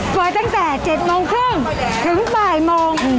เปิดตั้งแต่๗โมงครึ่งถึงบ่ายโมง